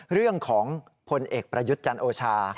เรื่องของพลเอกประยุทธ์จันทร์โอชา